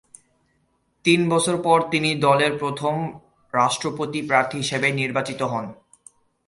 তিন বছর পর তিনি দলের প্রথম রাষ্ট্রপতি প্রার্থী হিসেবে নির্বাচিত হন।